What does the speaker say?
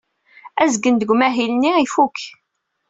Azgen seg umahil-nni ifuk.